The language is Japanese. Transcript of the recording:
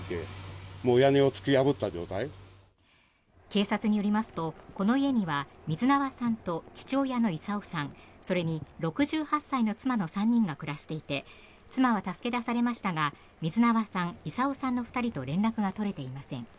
警察によりますとこの家には水縄さんと父親の功生さんそれに６８歳の妻の３人が暮らしていて妻は助け出されましたが水縄さん、功生さんの２人と連絡が取れていません。